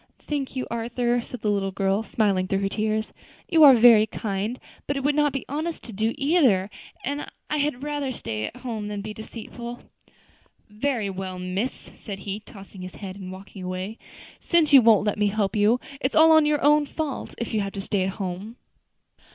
"Thank you, Arthur," said the little girl, smiling through her tears; "you are very kind, but it would not be honest to do either, and I had rather stay at home than be deceitful." "Very well, miss," said he, tossing his head, and walking away, "since you won't let me help you, it is all your own fault if you have to stay at home."